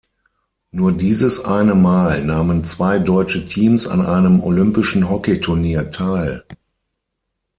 Nur dieses eine Mal nahmen zwei deutsche Teams an einem olympischen Hockeyturnier teil.